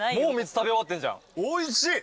おいしい。